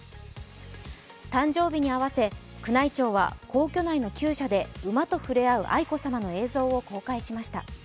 誕生日にあわせ、宮内庁は皇居内のきゅう舎で馬と触れ合う愛子さまの映像を公開しました。